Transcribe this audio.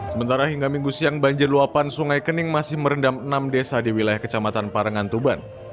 sementara hingga minggu siang banjir luapan sungai kening masih merendam enam desa di wilayah kecamatan parangan tuban